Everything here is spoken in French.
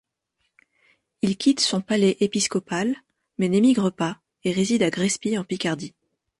Il quitte son palais épiscopal mais n'émigre pas et réside à Grespy en Picardie.